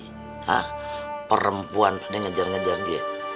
hah perempuan pada ngejar ngejar dia